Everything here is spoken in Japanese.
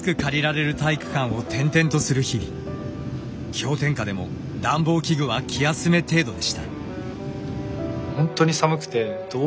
氷点下でも暖房器具は気休め程度でした。